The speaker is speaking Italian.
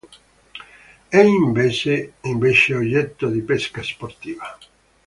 È invece oggetto di pesca sportiva.